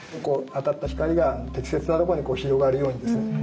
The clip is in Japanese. こう当たった光が適切なところに広がるようにですね